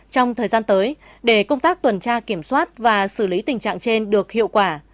trong thời gian tới để công tác tuần tra kiểm soát và xử lý tình trạng trên được hiệu quả